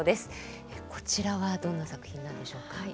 こちらはどんな作品なんでしょうか？